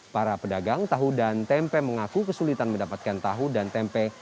para pedagang tahu dan tempe mengaku kesulitan mendapatkan tahu dan tempe